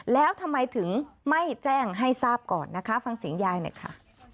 แล้วทำไมถึงไม่แจ้งให้ทราบก่อนนะคะฟังสิหญียัยนะคะ